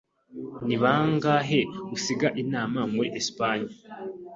Ni bangahe usiga inama muri Espagne?